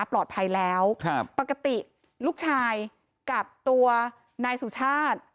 ปลอดภัยแล้วครับปกติลูกชายกับตัวนายสุชาติ